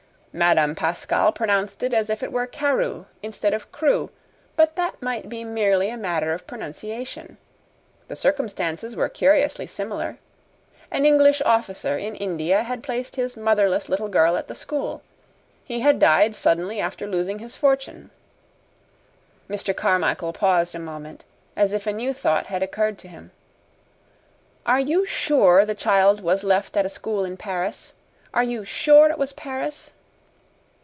"Madame Pascal pronounced it as if it were Carew instead of Crewe but that might be merely a matter of pronunciation. The circumstances were curiously similar. An English officer in India had placed his motherless little girl at the school. He had died suddenly after losing his fortune." Mr. Carmichael paused a moment, as if a new thought had occurred to him. "Are you SURE the child was left at a school in Paris? Are you sure it was Paris?"